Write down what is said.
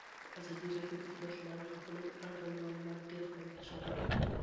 په ازادي راډیو کې د د ماشومانو حقونه اړوند معلومات ډېر وړاندې شوي.